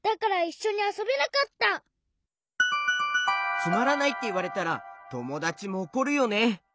「つまらない」っていわれたらともだちもおこるよね。